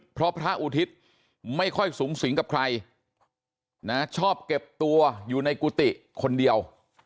เพราะพระอุทิศไม่ค่อยสูงสิงกับใครนะชอบเก็บตัวอยู่ในกุฏิคนเดียว